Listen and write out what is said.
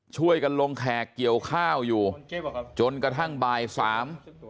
ช่วยกันลงแขกเกี่ยวข้าวอยู่จนกระทั่งบ่ายสาม